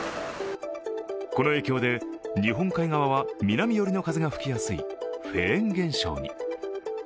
この影響で日本海側は南寄りの風が吹きやすいフェーン現象に。